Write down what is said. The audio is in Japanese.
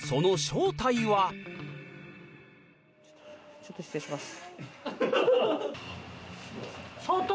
ちょっと失礼します。